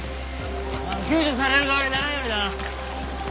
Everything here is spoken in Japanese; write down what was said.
救助される側にならんようにな。